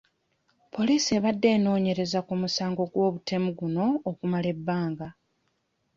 Poliisi ebadde enoonyereza ku musango gw'obutemu guno okumala ebbanga.